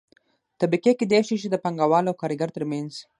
طبقې کيدى شي چې د پانګه وال او کارګر ترمنځ